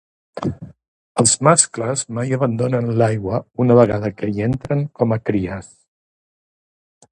Els mascles mai abandonen l'aigua una vegada que hi entren com a cries.